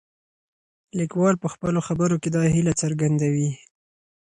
لیکوال په خپلو خبرو کې دا هیله څرګندوي.